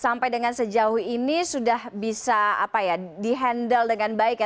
sampai dengan sejauh ini sudah bisa di handle dengan baik ya